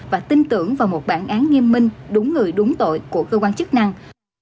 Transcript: và tin tưởng vào một bản án nghiêm minh đúng người đúng tội của cơ quan chức năng